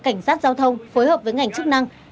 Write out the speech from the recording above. cảnh sát giao thông phối hợp với ngành chức năng